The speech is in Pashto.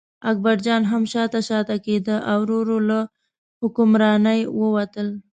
اکبرجان هم شاته شاته کېده او ورو ورو له حکمرانۍ ووتل.